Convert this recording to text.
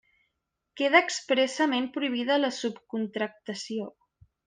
Queda expressament prohibida la subcontractació.